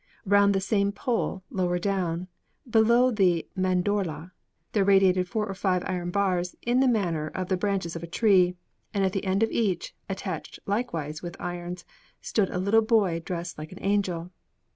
Round the same pole, lower down, below the mandorla, there radiated four or five iron bars in the manner of the branches of a tree, and at the end of each, attached likewise with irons, stood a little boy dressed like an angel.